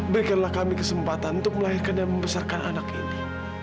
berikanlah kami kesempatan untuk melahirkan dan membesarkan anak ini